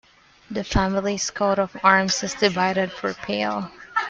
The family's coat of arms is divided per pale.